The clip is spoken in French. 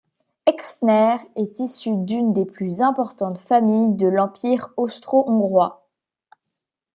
Exner est issu d'une des plus importantes familles de l'Empire austro-hongrois.